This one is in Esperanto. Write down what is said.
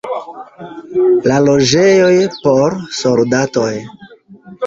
La loĝejoj por soldatoj.